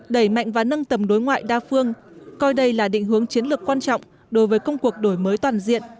đẩy mạnh và nâng tầm đối ngoại đa phương coi đây là định hướng chiến lược quan trọng đối với công cuộc đổi mới toàn diện